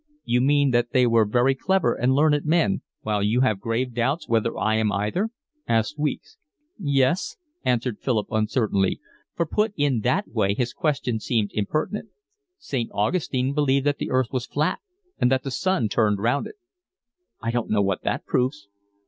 "You mean that they were very clever and learned men, while you have grave doubts whether I am either?" asked Weeks. "Yes," answered Philip uncertainly, for put in that way his question seemed impertinent. "St. Augustine believed that the earth was flat and that the sun turned round it." "I don't know what that proves."